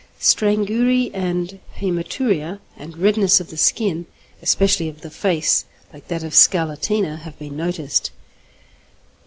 Strangury and hæmaturia, and redness of the skin, especially of the face, like that of scarlatina, have been noticed.